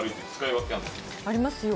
ありますよ。